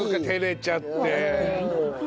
照れちゃって。